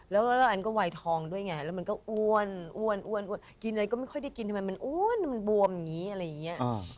แล้วก็อันก็วัยทองด้วยไงแล้วมันก็อ้วนกินอะไรก็ไม่ค่อยได้กินทำไมมันอ้วนมันบวมอย่างนี้อะไรอย่างนี้